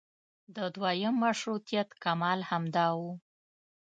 د دویم مشروطیت کمال همدا و.